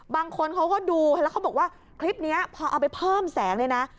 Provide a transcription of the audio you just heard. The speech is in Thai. บางคนเขาก็ดูแล้วเขาบอกว่าคลิปนี้พอเอาไปเพิ่มแสงเลยนะ